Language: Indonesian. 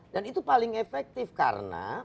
dan itu paling efektif karena